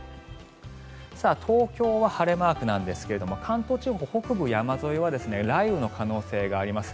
東京は晴れマークなんですが関東地方、北部山沿いは雷雨の可能性があります。